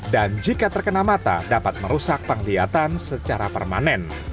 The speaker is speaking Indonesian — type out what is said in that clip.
dan jika terkena mata dapat merusak penglihatan secara permanen